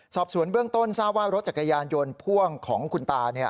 สอบสวนเบื้องต้นทราบว่ารถจักรยานยนต์พ่วงของคุณตา